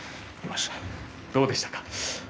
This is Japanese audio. どうでしたか？